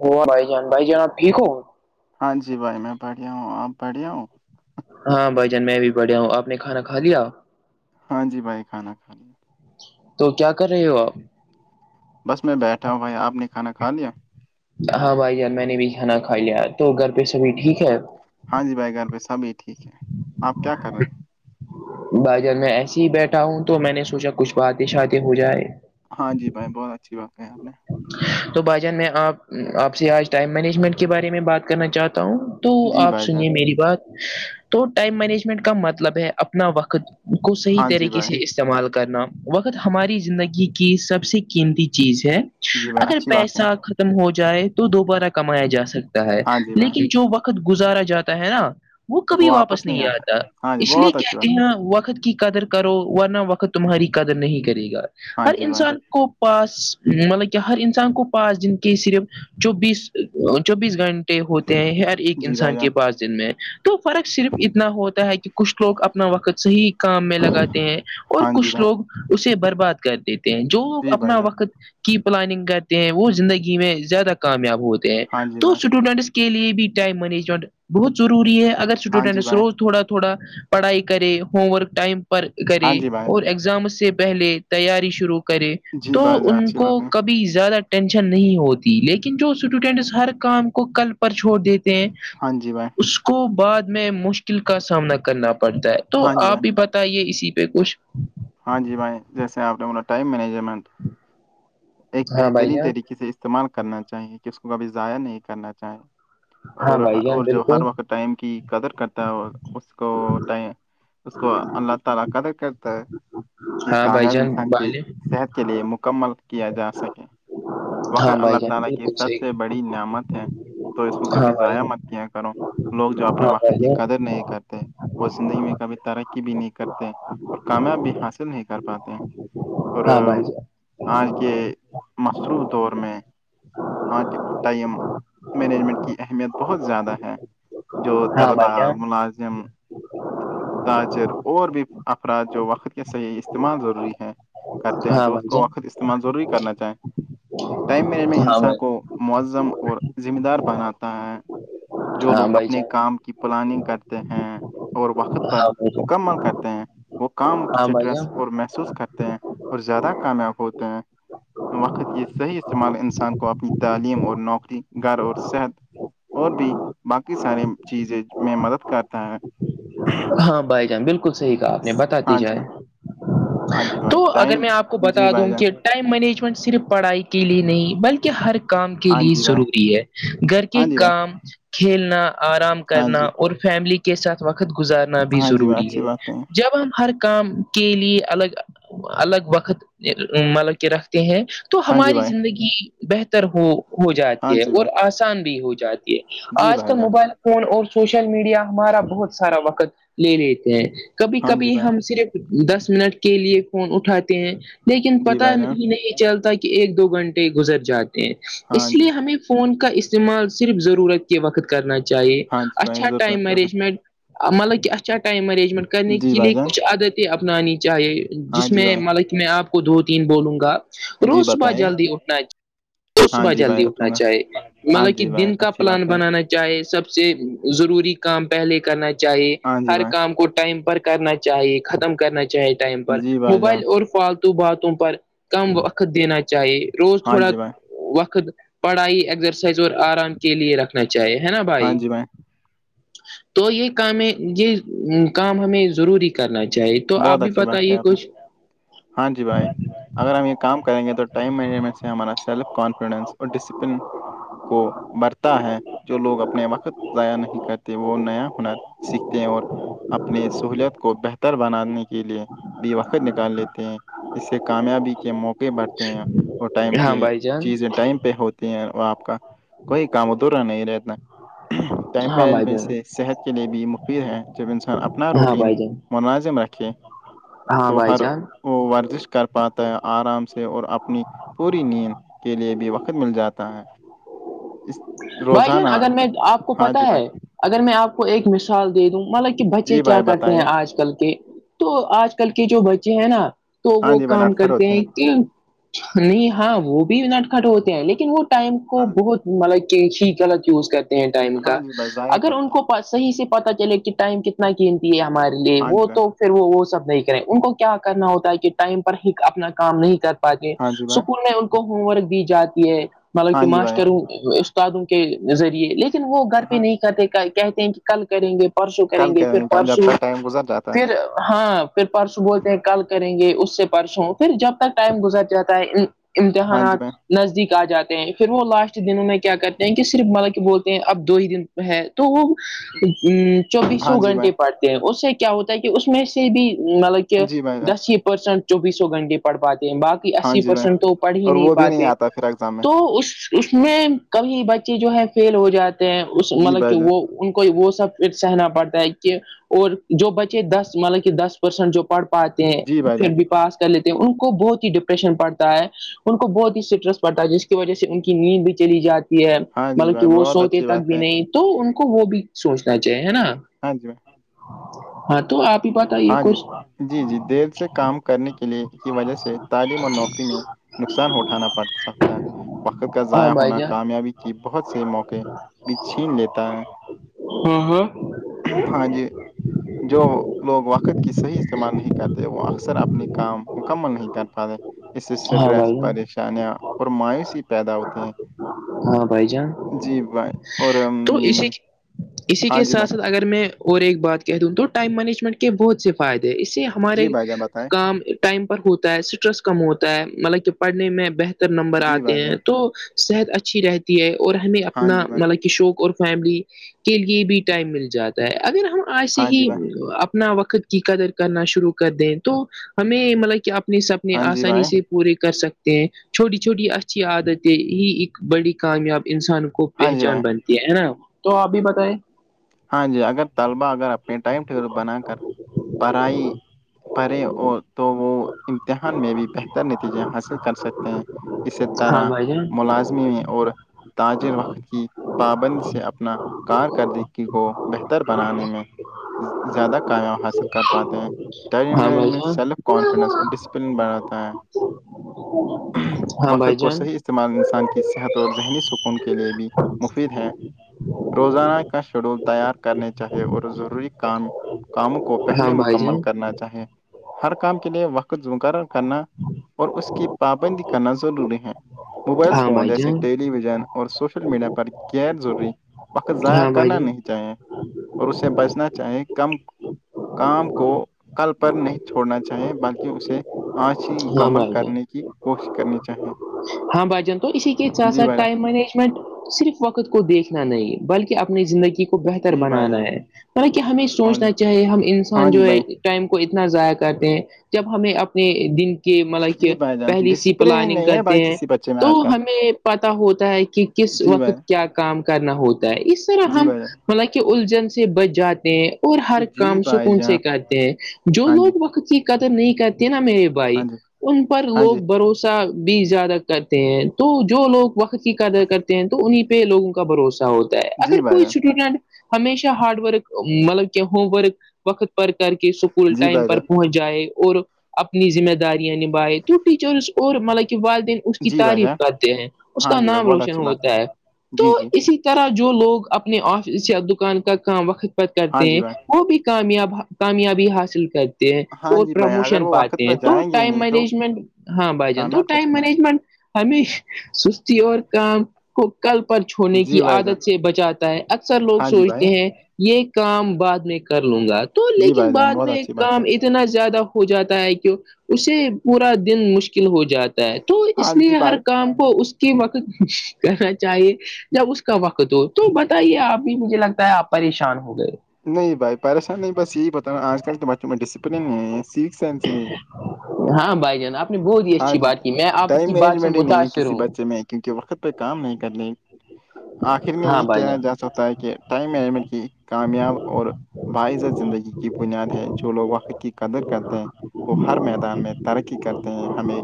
ہو بھائی جان بھائی جان آپ ٹھیک ہووں ہاں جی بھائی میں پڑھیا ہوں آپ پڑھیا ہوں ہاں بھائی جان میں بھی بڑھیا ہوں آپ نے کھانا کھا لیا ہاں جی بھائی کھانا کھایا تو کیا کر رہے ہو آپ بس میں بیٹھا ہوں بھائی آپ نے کھانا کھا لیا ہاں بھائی جان میں نے بھی کھانا کھا لیا تو گھر پہ سبھی ٹھیک ہے ہاں جی بھائی گھر پہ سبھی ٹھیک ہے آپ کیا کر رہے ہو بھائی جب میں ایسے ہی بیٹھا ہوں تو میں نے سوچا کچھ باتیں شاتیں ہو جائے ہاں جی بھائی بہت اچھی بات ہےیں آپ نے تو بھائی جان میں آپ آپ سے آج ٹائم مینجمنٹ کے بارے میں بات کرنا چاہتا ہوں تو جی آپ بھائی جان سنیے میری بات تو ٹائم مینجمنٹ کا مطلب ہے اپنا وقت کو صحیح ہاں جی طریقے بھائی سے استعمال کرنا وقت ہماری زندگی کی سب سے قیمتی چیز ہے جی بھائی اگر اچھی بات ہے پیسہ ختم ہو جائے تو دوبارہ کمایا جا سکتا ہے ہاں جی بھائی لیکن جو وقت گزارا جاتا ہے نا وہ کبھی واپس نہیں آتا ہاں جی اس لیے بہت اچھی کہتے بات ہے ہیں وقت کی قدر کرو ورنہ وقت تمہاری قدر نہیں کرے گا ہاں ہر جی بھائی انسان کو پاس مطلب کہ ہر انسان کو پانچ دن کے صرف چوبیس چوبیس گھنٹے ہوتے ہیں ہر ایک جی بھائی انسان جان کے پاس جن میں تو فرق صرف اتنا ہوتا ہے کہ کچھ لوگ اپنا وقت صحیح کام میں لگاتے ہیں اور ہاں جی کچھ بھائی لوگ اسے برباد کرتے جو جی بھائی اپنا جان وقت کی پلاننگ کرتے ہیں وہ زندگی میں زیادہ کامیاب ہوتے ہیں ہاں جی تو بھائی اسٹوڈنٹس کے لیے بھی ٹائم مینجمنٹ بہت ضروری ہے اگر ہاں جی بھائی سٹوڈنٹسوز تھوڑا تھوڑا پڑھائی کرے ہووم ورک ائم پر ہاں کرے جی بھائی اور ایگزام سے پہلے تیاری شروع کرے جی تو بھائی جان ان اچھی کو بات ہے کبھی زیادہ ٹینشن نہیں ہوتی لیکن جو اسٹوڈنٹس ہر کام کو کل پر چھوڑ دیتے ہیں ہاں جی بھائی اس کو بعد میں مشکل کا سامنا کرنا پڑتا ہے تو ہاں جی آپ بھائی بھی بت یہ اسی پہ کچھ ہاں جی بھائی جیسے آپ نے بو ٹائم مینجمنٹ ایک ہاں بھائی بہترین جان ہاں طریقے سے استعمال کرنا چاہیے کہ اس کو کبھی ضائع نہیں کرنا چاہیں اور بھائی جان اور جو ہر بالکل وقت ٹائم کی قدر کرتا ہے اس کو اس کو اللہ تعا لا قدر کرتا ہے یہ ہاں بھائی کامیاب جان انسان کی بالے صحت کے لیے مکمل کیا جا سکے وقر ہاں اللہ بھائی تعا جان لا کی بالکل سب سے صحیح بڑی نعمت ہے تو اس کو ہاں کبھی بھائی ضائع مت کیا کرو لوگ جو اپنے ہاں وقت بھائی کی جان قدر نہیں کرتے وہ زندگی میں کبھی ترقی بھی نہیں کر اور کامیاب بھی حاصل نہیں کر پاتے ہیں اور ہاں بھائی آج کے شروع دور میں آج کے ٹائم مینجمنٹ کی اہمیت بہت زیادہ ہے جو طلبا جان ملازم تاجر اور بھی افراد جو وقت کے صحیح استعمال ضروری ہے کرتے ہیں ہاں تو اس بھائی کو جان وقت استعمال ضروری کرنا چاہیں ٹائم مینجمنٹ ہاں انسان بھائی جان مظم اور ذمہ دار بناتا ہے ہاں بھائی جو ہاں لوگ بھائی اپنے جان کام کی پلاننگ کرتے ہیں اور وقت پر ہاں بھائی جان مکمل کرتے ہیں وہ کام ہاں بھائی سٹریس جان اور محسوس کرتے ہیں اور زیادہ کامیاب ہوتے ہیں وقت یہ صحیح استعمال انسان کو اپنی تعلیم اور نوکری گھر اور صحت اور بھی باقی ساریے چیزیں میں مدد کرتا ہے ہاں بھائی جان بالکل صحیح کہا آپ نے اس بتاات دی ہاں جی جائے بھائی ہاں جی بھائی تو اگر ٹائم میں آپ کو جی بتا بھائی دوں جان کہ ٹائم مینجمنٹ صرف پڑھائی کے لیے نہیں بلکہ ہر کام کے ہاں لیے جی بھائی ضروری ہے گھر کے ہاں جی بھائی کام کھیلنا آرام ہاں کرنا جی اور فیملی کے ساتھ وقت گزارنا بھی ہاں جی بھائی ضروری اچھی ہے بات کہیں جب ہم ہر کام کے لیے الگ الگ وقت مطلب کہ رکھتے ہیں تو ہاں جی ہماری بھائی زندگی بہتر ہو ہو ہاں جاتی ہے جی اور بھائی آسان بھی ہو جات جی آج بھائی کال جان موبائل فون اور سوشل میڈیا ہمارا بہت سارا وقت لے لیتے ہیں کبھی ہاں جی کبھی بھائی ہم صرف دس منٹ کے لیے فون اٹھاتے ہیں لیکن جی پتا بھائی جان ہی نہیں چلتا کہ ایک دو گھنٹے گزر جاتے ہیں ہاں اس جی لیے ہمیں فون کا استعمال صرف ضرورت وقت کرنا چاہیے ہاں جی بھائی اچھا ضرورت ائم کے وقت مینیجمنٹ مطلب کہ اچھ اچا ٹائم مینجمنٹ کرنے جی کے بھائی لیے جان کچھ عادتیں اپنانی چاہیے ہاں جس جی میں بھائی مطلب میں آپ کو دو تین بولوں گا جی روز صبح بتائیے جلدی اٹھنا چاہیے ہاں صبح جی بھائی جلدی اٹھنا رکھوں گا چاہے ہاں مطلب کہ جی بھائی دن کا اچھی بات پلان کہیں بنانا چاہے سب سے ضروری کام پہلے کرنا چاہیے ہاں جی ہر بھائی کام کو ٹائم پر کرنا چاہیے ختم کرنا چاہیے ٹائم پر جی بھائی جان موبائل اور فالتو باتوں پر کم وقت دینا چاہیے روز ہاں تھوڑا جی بھائی وقت پڑھائی ایگز سز اور آرام کے لیے رکھنا چاہیے ہے نا ہاں بھائی جی تو یہ کام یہ کام ہمیں ضروری کرنا چاہیے تو آپ بہت بھی اچھی بات کہی بتائیے آپ نے کچھ ہاں جی بھائی اگر ہم یہ کام کریں گے تو ٹائم مینجمنٹ سے ہمارا سیلف کانفیڈینس اور ڈسپلن کو برتا ہے جو لوگ اپنے وقت ضائع نہیں کرتے وہ نیا ہنر سیکھتے ہیں اور اپنی سہوولت کو بہتر آنے کے لیے بھی وقت نکال لیتے ہیں اس سے کامیابی کے موقع بڑھتے ہیں اور ٹائم ہاں کی بھائی جان چیز ٹائم پہ ہوتی ہیں وہ آپ کا کوئی کام ادرا نہیں رہتا ٹائم ہاں بھائی مینجمنٹ جان سے صحت کے لیے بھی مفید ہے جب انسان اپنا ہاں روٹین بھائی جان منوظم رکے ہاں تو بھائی ہر جان وہ ورزش کر پاتا ہے آرام سے اور اپنی پوری نیند کے لیے بھی وقت مل جاتا ہے اس بھائی جان روزانہ اگر میں آپ کو ہاں پتا جی بھائی ہے اگر میں آپ کو ایک مثال دے دوں مطلب کہ بچے جی کیا بھائی کرتے ہیں بتائیے آج کل کے تو آج کل کے جو بچے ہیں نا تو ہاں وہ جی بھائی کام نٹ کھڑ کرتے ہوتے ہیں کی نہیں ہاں وہ بھیناٹ کٹ ہوتے ہیں لیکن وہ ٹائم کو ہاں بہت مطلب ہییک الگ یوز کرتے ہیں ٹائم کا ہاں جی بھائی ضائع اگر ان کرتے ہیں کو پاس صحیح سے پتہ چلے کہ ٹائم کتنا قینتی ہے ہمارے لیے ہاں وہ جی بھائی تو پھر وہ وہ سب نہیں کریں ان کو کیا کرنا ہوتا ہے کہ ٹائم پر اپنا کام نہیں کر پی ہیں ہاں جی بھائی اسکول میں ان کو ہوم ورک دی جاتی ہے مطلب ہاں کہ جی بھائی ماسٹروں تادوں کے ذریعے لیکن وہ گھر پہ ہاں نہیں کرتے کہتے ہیں کہ کل کریں گے پرسو کریں کل گے پھر کل جب پرسو تک ٹائم گزر جاتا ہے پھر ہاں پھر پرسوں بولتے ہیں کل کریں گے اس سے پرسوں پھر جب تک ٹائم گزر جاتا ہے ہاں جی امتحانات بھائی نزدیک آ جاتے ہیں پھر وہ لاسٹ دنوں میں کیا کرتے ہیں کہ صرف بطب کہ ب اب دو ہی دن ہے تو وہ ہاں چوبیسوں جی بھائی گھنٹے پڑھتے ہیں اس سے ہوتا ہے کہ اس میں سے بھی مطلب کہ جی بھائی جان دس ہی پرسینٹ چوبیسوں گھنٹے پڑھ پاتے ہیں باقی ہاں اسی جی بھائی پرسینٹ تو پڑھ ہی اور نہیں وہ بھی پاتے آتا پھر ایگزام میں تو اس اس میں کبھی بچے جو ہے فیل ہو جاتے ہیں اس جی مطلب کہ بھائی جان وہ ان کو وہ سب پھر سہنا پڑتا ہے کہ اور جو بچے دس مطلب کہ دس پرسنٹ جو پڑھ پاتے ہیں جی بھائی پھر جان بھی پاس کر لیتے ہیں ان کو بہت ہی ڈپریشن پڑتا ہے ان کو بہت ہی اسٹرس پڑتا ہے جس کی وجہ سے ان کی نیند بھی چلی جاتی ہاں جی مطلب کہ بھائی وہ بہت سوتے اچھی تک بات بھی ہے نہیں تو ان کو وہ بھی سوچنا چاہیے ہے نا ہاں جی ہاں تو آپ ہی بتائیے ہاں جی کچھ جی جی دیر سے کام کرنے کے لیے کی وجہ سے تعلیم اور نوکری میں نقصان اٹھانا پڑ سکتا ہے وقت کا ہاں ضائع بھائی ہونا جان کامیابی کی بہت سے موقع چھین لیتا ہے ہاں ہاں ہاں جی جو لوگ وقت کی صحیح استعمال نہیں کرتے وہ اکثر اپنی کام مکمل نہیں کر پاتے اس سے ہاں اسٹریس بھائی جان پریشانیاں اور مایوسی پیدا ہوتے ہیں ہاں بھائی جان جی بھائی اور ام، تو اسی اسی کے ہاں جی ساتھ بھائی ساتھ اگر میں اور ایک بات کہہ دوں تو ٹائم مینجمنٹ کے بہت سے فائد ہیں اسے ہمارے جی بھائی جان بتائیں کام ٹائم پر ہوتا ہے اسٹریس کم ہوتا ہے مطلب کہ پڑھنے میں بہتر نمبر جی آتے بھائی ہیں جان تو صحت اچھی رہتی ہے اور ہمیں ہاں اپنا جی بھائی مطلب کہ شوق اور فیملی کے لیے بھی ٹائم مل جاتا ہے اگر ہم آج سے ہاں جی ہی بھائی اپ اپنا وقت کی قدر کرنا شروع کر دیں تو ہمیں مطلب کہ اپنے سپنے ہاں جی آسانی بھائی سے پورے کر سکتے ہیں چھوٹی چھوٹی اچھی عادتیں ہی ایک بڑی کامیاب انسان خوب ہاں جی بھائی پہچان بنتی ہے ہے نا تو آپ بھی بتائے ہاں جی اگر طلبا اگر اپنے ٹائم ٹیبل بنا کر پڑھائی پیں اور تو وہ امتحان میں بھی بہتر نتیجے حاصل کر سکتے ہیں ہاں بھائی جان لازمی اور تاجر وقت کی پابندی سے اپنا کارکردگی کو بہتر بنانے میں زیادہ کایاب حاصل کر پاتے ہیں ٹریم ہاں بھائی مینجمنٹ جان سیلف کانفیڈنس اور ڈسپلن بڑھاتا ہے ہاں بھائی وقت کو جان صحیح استعمال انسان کی صحت اور ذہنی سکون کے لئے بھی مفید ہے روزانہ کے کا شیڈول تیار کرنے چاہیے اور ضروری کام کاموں کو پہلے ہاں بھائی مکمل جان کرنا چاہے ہر کام کے لیے وقت زکر کرنا اور اس کی پابندی کرنا ضروری ہے موبائل ہاں فون بھائی جان جیسے ٹیلی ویژن اور سوشل میڈیا پر غیر ضروری وقت ضائع ہاں بھائی جان چاہیں اور اس سے بچنا چاہیں کم کام کو کل پر نہیں چھوڑنا چاہیے بلکہ اسے آنسییں ہاں مکمل بھائی جان کرنے کی کوشش کرنی چاہیں ہاں بھائی جان تو اسی کے چار سات ٹائم میں نے منٹ صرف وقت کو دیکھنا نہیں بلکہ اپنی زندگی کو بہتر جی بنانا بھیا ہے حالکہ ہمیں ہاں جی سوچنا چاہیے ہم ہاں انسان جی جو ہے بھیا ٹائم اتنا ضائع کرتے ہیں جب ہمیں اپنے دن کہ مطلب کہ جی بھائی جان پہلی سی ڈسپلن ہی پلاننگ نہیں ہے بھائی کرتے ہیں کسی بچے میں تو آج کل ہمیں پت ہوتا ہے کہ کس جی بھائی وقت کیا کام کرنا ہوتا ہے اس طرح جی ہم بھائی جان حالکہ الجھن سے بچ جاتے ہیں اور ہر جی کام بھائی سکون سے جان کرتے ہیں جو ہاں جی لوگ وقت کی قدر نہیں کرتے نا میرے آئی ہاں جی ان پر ہاں لوگ جی بھروسے وہ بھی زیادہ کرتے ہیں تو جو لوگ وقت کی قدر کرتے ہیں تو انہیں پہ لوگوں کا بھروسہ ہوتا ہے اگر جی بھائی کوئی جان اسٹوڈنٹ ہمیشہ ہاڈ ورک مطلب کہ ہوم ورک وقت پر کر کے اسکول جی ٹائم بھائی پر جان پہنچ جائے اور اپنی ذمہ داریاں نبھائے تو ٹیچر اور مطلب والدین اس کی جی بھائی تعریف جان کرتے ہیں اس ہاں کا جی بھائی نام بہت روشن اچھی بات کہیں ہوتا ہے تو جی جی اسی طرح جو لوگ اپنے آفس یا دکان کا کام وقت پر ہاں کرتے جی ہیں بھائی وہ بھی کامیاب کامیابی حاصل کرتے ہیں ہاں اور جی بھائی اگر پرموشن وہ وقت پاتے ہیں پہ تو جائیں گے ٹائم نہیں تو مینجمنٹ ہاں بھائی جان تو کامیاب کیسے ٹائم بنے مینجمنٹ ہمی سستی اور کام کو کل پر گے؟ چھونے کی جی بھائی جان عادت سے بچاتا ہے اکثر لوگ ہاں جی بھائی سوچتے ہیں یہ کام بعد میں کر لوں گا تو جی لیکن بھائی جان بعد بہت میں اچھی بات کام ہے اس اتنا زیادہ ہو جاتا ہے کہ اسے پورا دن مشکل ہو جاتا تو ہاں اس جی لیے ہر بھائی کام کو اس کی وقت کرنا چاہیے جب اس کا وقت دو تو بتائیے آپ بھی مجھے لگتا ہے آپ پریشان ہو گئے نہیں بھائی پریشان نہیں بس یہی بت نا آج کل کے بچوں میں ڈسپلن نہیں ہے سیکھ سائنسی ہی نہیں ہے ہاں بھائی جان آپ نے بہت ہی ہاں اچھی جی بات کی میں آپ ٹائم کی بات سے مینجمنٹ ہی نہیں ہے متاثر کسی ہوں بچے میں کیونکہ وقت پہ کام نہیں کرنے آخر میں ہاں یہ بھائی کیا جا جان سکتا ہے کہ ٹائم مینجمنٹ کی کامیاب اور باعزہ زندگی کی بنیاد ہے جو لوگ وقت کی قدر کرتے ہیں وہ ہر میدان میں ترقی کرتے ہیں ہمیں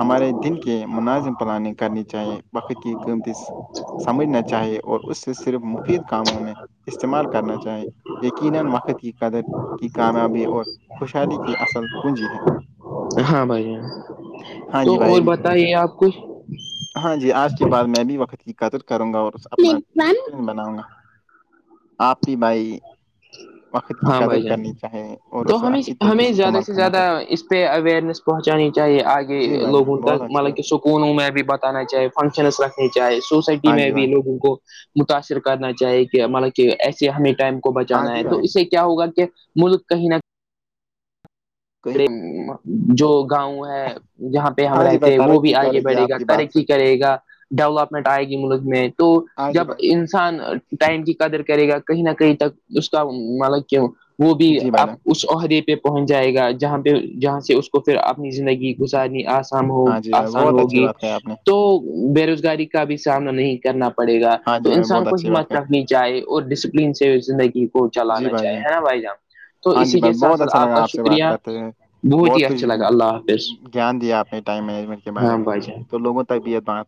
ہمارے دن کے مناظم پلاننگ کرنی چاہیے بقت کی قیمتی سمجھنا چاہیے اور اس سے صرف مفید کاموں میں استعمال کر کرنا چاہیں یقینا وقت کی قدر کی کامیابی اور خوشحالی کی اصل کنجی ہے ہاں بھائی ہاں تو جی بھائی اور بتائیے آپ کچھ ہاں جی آج کے بعد میں بھی وقت کی قدر کروں گا اور اپنا ڈسپلن بناؤں گا آپ ہی بھائی وقت کی ہاں قدر بھائی جان کرنی چاہیے اور تو اسے ہم اچھی طریقے ہمیں زیادہ استعمال سے کرنا زیادہ چاہیے اس پہ اوئرنیس پہنچانی چاہیے آگے جی بھائی جان لوگوں بہت تک اچھی مطلب کہ بات ہے سکونوں میں بھی بتانا چاہے فنکشنز رکھ چاہے سوسائٹی ہاں میں جی بھی بھائی لوگوں کو متاثر کرنا چاہیے کہ مطلب کہ ایسے ہمیں ٹائم کو ہاں بچانا ہے جی تو بھائی اسے کیا ہوگا کہ ملک کہیں نہ کہیں کہیں جو گاؤں ہے جہاں پہ ہم ہاں جی رہتے بھائی ہیں وہ بھی ترقی کرے آگے گی بڑھے آپ گا کی بات سے ترقی کرے گا ڈیولپمنٹ آئے گی ملک میں تو ہاں جی جب بھائی ان انسان ٹائم کی قدر کرے گا کہیں نہ کہیں تک اس کا مطلب کہ وہ بھی جی بھائی اب جان اس عہدے پہ پہنچ جائے گا جہاں پہ جہاں سے اس کو پھر اپنی زندگی گزارنی آ ہو ہاں جی بھائی آسان بہت اچھی ہوگی بات کہی آپ نے تو بے روزگاری کا بھی سامنا نہیں کرنا پڑے گا ہاں تو جی بھائی انسان بہت کو اچھی بات ہمت کہی رکھ لیجیے چاہے وہ ڈسپلین سے زندگی کو جی چلانا بھائی چاہیے جان ہے نا بھائی جان تو ہاں جی اسی کے بھائی ساتھ بہت ساتھ اچھا لگا کا آپ سے بات شکریہ کرتے ہی بہت اچھا لگا اللہ حافظ کچھ گان دیا آپ نے ٹائم مینجمنٹ کے بارے ہاں میں بھائی جان تو لوگوں تو طبیعت بانپ